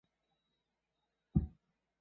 辛部只以右方为部字。